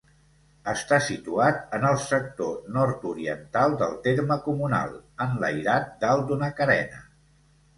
Està situat en el sector nord-oriental del terme comunal, enlairat dalt d'una carena.